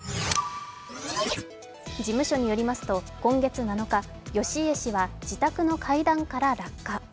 事務所によりますと今月７日、義家氏は自宅の階段から落下。